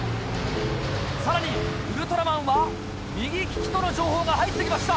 さらにウルトラマンは右利きとの情報が入ってきました。